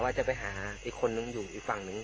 กะว่าจะไปหาอีกคนหนึ่งอยู่อีกฝั่งหนึ่ง